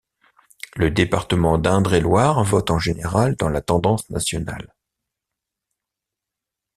Le département d'Indre-et-Loire vote en général dans la tendance nationale.